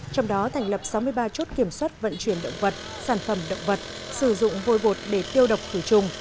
trong đó thành lập sáu mươi ba chốt kiểm soát vận chuyển động vật sản phẩm động vật sử dụng vôi vột để tiêu độc khử trùng